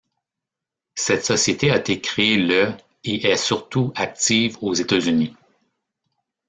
Cette société a été créée le et est surtout active aux États-Unis.